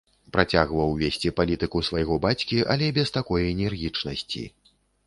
Працягваў весці палітыку свайго бацькі, але без такой энергічнасці.